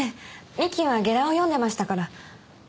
三木はゲラを読んでましたから。